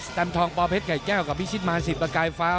แมมทองปอเพชรไก่แก้วกับพิชิตมารสิบประกายฟ้า